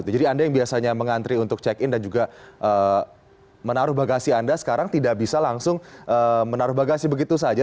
jadi anda yang biasanya mengantri untuk check in dan juga menaruh bagasi anda sekarang tidak bisa langsung menaruh bagasi begitu saja